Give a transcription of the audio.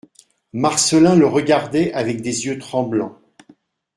Marcelin le regardait avec des yeux tremblants.